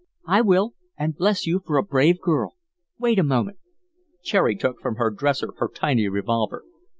"I will, and bless you for a brave girl. Wait a moment." Cherry took from the dresser her tiny revolver.